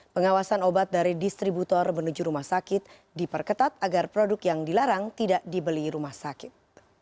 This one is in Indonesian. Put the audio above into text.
pengawasan obat dari distributor menuju rumah sakit diperketat agar produk yang dilarang tidak dibeli rumah sakit